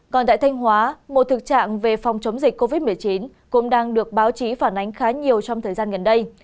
còn tại thanh hóa một thực trạng về phòng chống dịch covid một mươi chín cũng đang được báo chí phản ánh khá nhiều trong thời gian gần đây